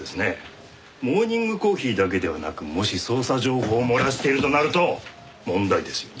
モーニングコーヒーだけではなくもし捜査情報を漏らしているとなると問題ですよ。